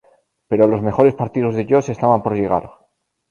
Pero los mejores partidos de Josh estaban por llegar.